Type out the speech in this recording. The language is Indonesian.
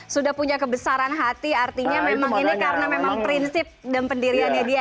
sudah punya kebesaran hati artinya memang ini karena memang prinsip dan pendiriannya dia